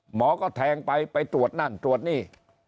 หมอก็แทงไปไปตรวจนั่นตรวจนี่